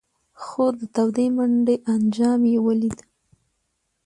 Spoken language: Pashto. خو د تودې منډۍ انجام یې ولید.